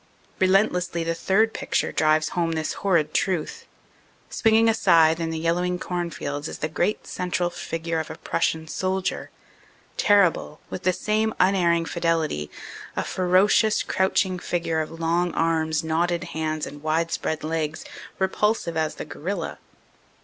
Relentlessly the third picture drives home this horrid truth. Swinging a scythe in the yellowing cornfields is the great central figure of a Prussian soldier, terrible, with the same unerring fidelity a ferocious, crouching figure of long arms, knotted hands and widespread legs, repulsive as the gorilla.